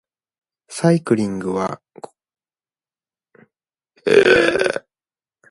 サイクリングは心身の健康に良いと思います。